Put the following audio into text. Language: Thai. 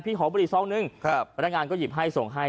ขอบริซองนึงพนักงานก็หยิบให้ส่งให้